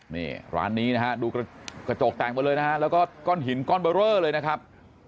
นี่ร้านนี้นะฮะดูกระจกแตกไปเลยนะฮะแล้วก็ก้อนหินก้อนเบอร์เรอเลยนะครับ